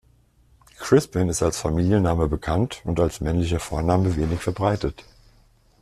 Crispin ist als Familienname bekannt und als männlicher Vorname wenig verbreitet.